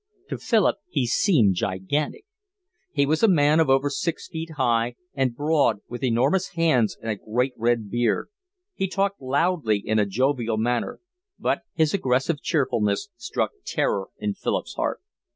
To Philip he seemed gigantic. He was a man of over six feet high, and broad, with enormous hands and a great red beard; he talked loudly in a jovial manner; but his aggressive cheerfulness struck terror in Philip's heart.